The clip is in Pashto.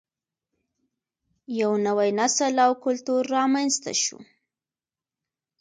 یو نوی نسل او کلتور رامینځته شو